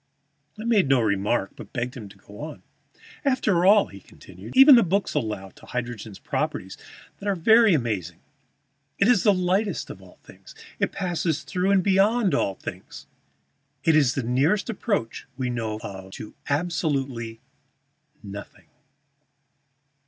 I made no remark, but begged him to go on. "After all," he continued, "even the books allow to hydrogen properties that are very amazing. It is the lightest of all things; it passes through and beyond all things; it is the nearest approach we know of to absolute nothing.